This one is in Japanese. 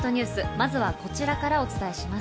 まずはこちらからお伝えします。